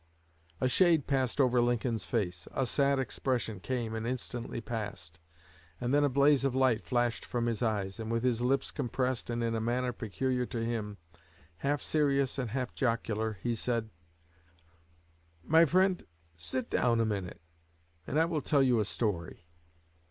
A shade passed over Lincoln's face, a sad expression came and instantly passed, and then a blaze of light flashed from his eyes, and with his lips compressed and in a manner peculiar to him, half serious and half jocular, he said: "My friend, sit down a minute, and I will tell you a story.